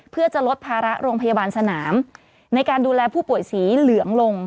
เพื่อจะลดภาระโรงพยาบาลสนามในการดูแลผู้ป่วยสีเหลืองลง